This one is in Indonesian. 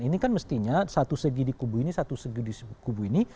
ini kan mestinya satu segi di kubu ini satu segi di kubu ini